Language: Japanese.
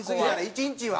１日は。